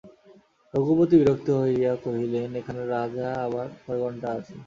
রঘুপতি বিরক্ত হইয়া কহিলেন, এখানে রাজা আবার কয় গণ্ডা আছে?